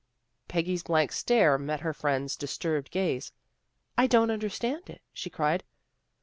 Peggy's blank stare met her friend's dis turbed gaze. " I don't understand it," she cried.